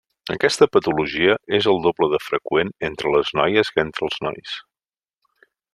Aquesta patologia és el doble de freqüent entre les noies que entre els nois.